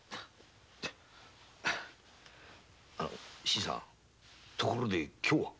新さんところで今日は？